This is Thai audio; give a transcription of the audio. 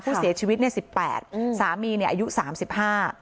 ผู้เสียชีวิต๑๘ปีสามีอายุ๓๕ปี